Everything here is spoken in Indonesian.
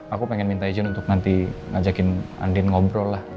aku pengen minta izin untuk nanti ngajakin andin ngobrol lah